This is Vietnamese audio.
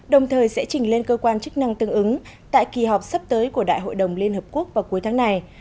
đồng thời sẽ trình lên cơ quan chức năng tương ứng tại kỳ họp sắp tới của đại hội đồng liên hợp quốc vào cuối tháng này